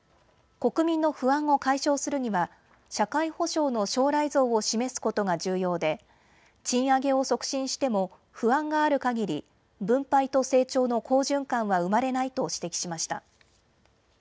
国民の不安を解消するには社会保障の将来像を示すことが重要で賃上げを促進しても不安があるかぎり分配と成長の好循環は生まれないと指摘しました。